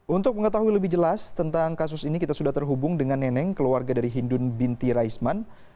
untuk mengetahui lebih jelas tentang kasus ini kita sudah terhubung dengan neneng keluarga dari hindun binti raisman